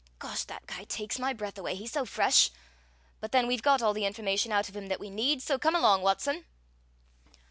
"Gosh, that guy takes my breath away, he's so fresh! But then, we've got all the information out of him that we need, so come along, Watson."